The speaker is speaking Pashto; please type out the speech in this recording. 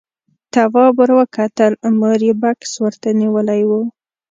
تواب ور وکتل، مور يې بکس ورته نيولی و.